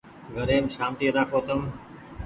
گھريم سآنتي رآکو تم ۔